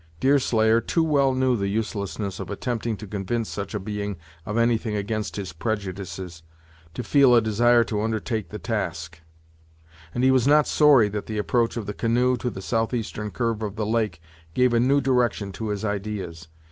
Deerslayer too well knew the uselessness of attempting to convince such a being of anything against his prejudices, to feel a desire to undertake the task; and he was not sorry that the approach of the canoe to the southeastern curve of the lake gave a new direction to his ideas.